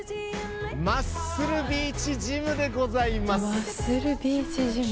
マッスルビーチジムでございます。